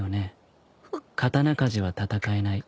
刀鍛冶は戦えない。